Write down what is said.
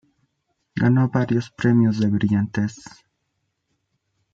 Ganó varios premios de brillantez.